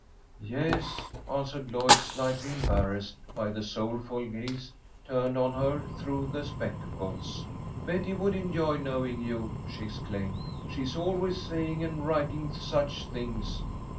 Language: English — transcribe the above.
"Yes," answered Lloyd, slightly embarrassed by the soulful gaze turned on her through the spectacles. "Betty would enjoy knowing you," she exclaimed. "She is always saying and writing such things."